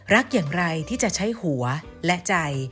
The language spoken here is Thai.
รักอย่างไรที่จะใช้หัวและใจ